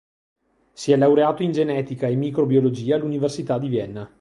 Si è laureato in genetica e microbiologia all' Università di Vienna.